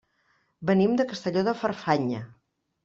Venim de Castelló de Farfanya.